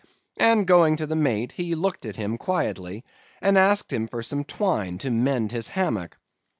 and going to the mate, he looked at him quietly, and asked him for some twine to mend his hammock.